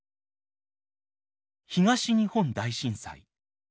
東日本大震災。